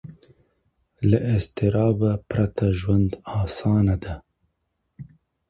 له اضطراب پرته ژوند اسانه دی.